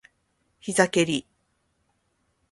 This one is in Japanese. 膝蹴り